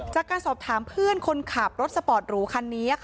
จากการสอบถามเพื่อนคนขับรถสปอร์ตหรูคันนี้